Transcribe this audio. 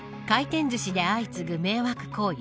回転ずしで相次ぐ迷惑行為。